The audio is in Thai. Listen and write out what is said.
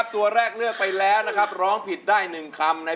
ช่องเซอร์นี่ไปเลย